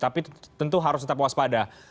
tapi tentu harus tetap waspada